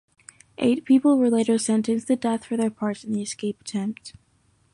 Eight people were later sentenced to death for their parts in the escape attempt.